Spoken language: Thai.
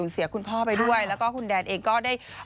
เสียคุณพ่อไปด้วยแล้วก็คุณแดนเองก็ได้